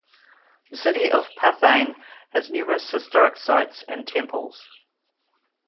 The city of Pathein has numerous historic sights and temples.